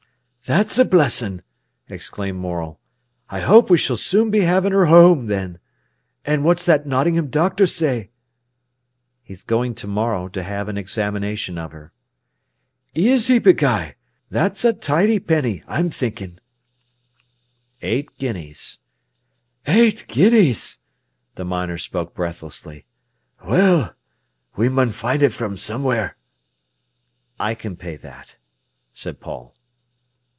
"That's a blessin'!" exclaimed Morel. "I hope we s'll soon be havin' her whoam, then. An' what's that Nottingham doctor say?" "He's going to morrow to have an examination of her." "Is he beguy! That's a tidy penny, I'm thinkin'!" "Eight guineas." "Eight guineas!" the miner spoke breathlessly. "Well, we mun find it from somewhere." "I can pay that," said Paul.